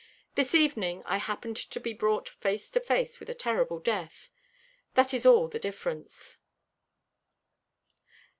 This evening I happened to be brought face to face with a terrible death. That is all the difference."